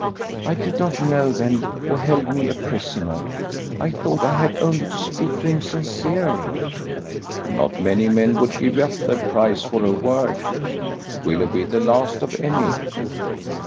I did not know then who held me a prisoner. I thought I had only to speak to him sincerely." "Not many men would give up their prize for a word, Willoughby the last of any."